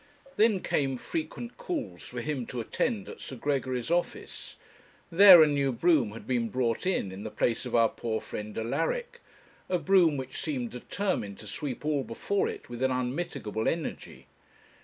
Then came frequent calls for him to attend at Sir Gregory's office. There a new broom had been brought in, in the place of our poor friend Alaric, a broom which seemed determined to sweep all before it with an unmitigable energy.